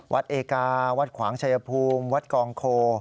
เอกาวัดขวางชายภูมิวัดกองโค